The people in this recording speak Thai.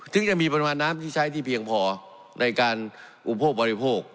ถึงจะมีปริมาณน้ำที่ใช้ที่เพียงพอในการอุปโภคบริโภค